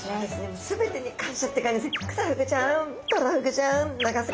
もう全てに感謝って感じですね。